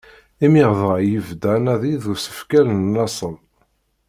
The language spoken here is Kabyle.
Imir dɣa i yebda anadi d usekfel n laṣel.